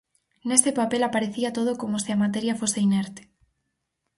Nese papel aparecía todo como se a materia fose inerte.